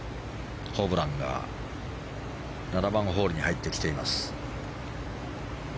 ホブランが７番ホールに入ってきています。